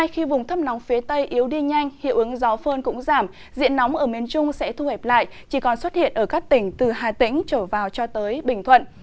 khi vùng thấp nóng phía tây yếu đi nhanh hiệu ứng gió phơn cũng giảm diện nóng ở miền trung sẽ thu hẹp lại chỉ còn xuất hiện ở các tỉnh từ hà tĩnh trở vào cho tới bình thuận